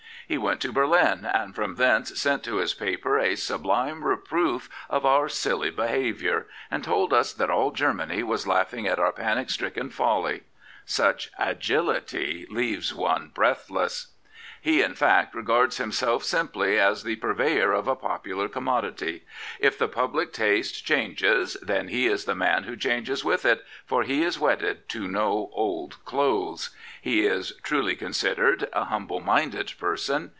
He went to Berlin, and from thence sent to his paper a sublime reproof of our silly behaviour, and told us that all Germany was laughing at our panic stricken folly. Such a g ilit y leaves one breathless. He, in fact, regards himself simply as the pur v^r of a popular conimodity. If the public taste changes, then he is the man to change with it, for he is wedded to no old do^esj He is, truly considered, a humble minded person.